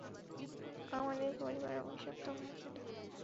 আমাদের পরিবার অভিশপ্ত হয়েছিল।